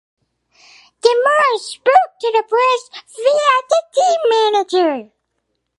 De Moura spoke to the press via the team manager.